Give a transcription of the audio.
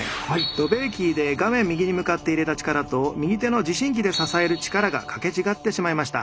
ドベーキーで画面右に向かって入れた力と右手の持針器で支える力がかけ違ってしまいました。